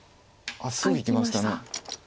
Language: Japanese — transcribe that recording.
あっすぐいきました。